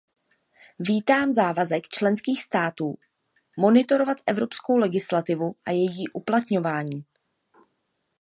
Vítám závazek členských států monitorovat evropskou legislativu a její uplatňování.